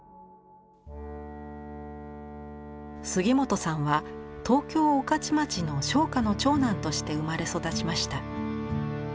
杉本さんは東京・御徒町の商家の長男として生まれ育ちました。